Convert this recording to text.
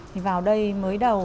thì vào đây mới đầu